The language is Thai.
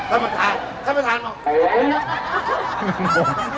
ถ้ามันทานถ้ามันทานออก